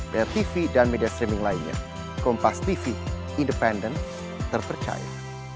bayar tv dan media streaming lainnya kompas tv independen terpercaya